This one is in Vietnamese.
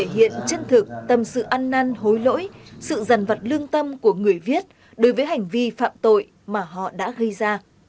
hối lỗi sự dằn vặt lương tâm của người viết đối với hành vi phạm tội mà họ đã gây ra